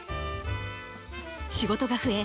仕事が増え